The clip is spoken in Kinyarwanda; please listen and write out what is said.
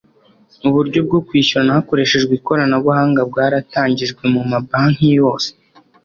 uburyo bwo kwishyurana hakoreshejwe ikoranabuhanga bwaratangijwe mu ma banki yose